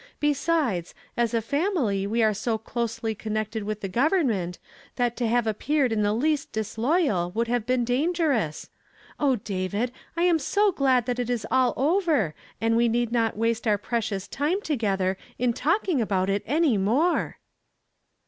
Be sides, as a family we are so closely connected with the government that to have appeared in the least disloyal would have been dangerous. Oh, David ' I am so glad that it is all over, and we need not waste our precious time together in talking about it any more."